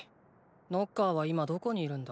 ノッカーは今どこにいるんだ？